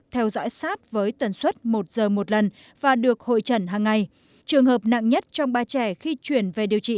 theo dõi sát với tần suất một giờ một lần và được hội trần hàng ngày trường hợp nặng nhất trong ba trẻ khi chuyển về điều trị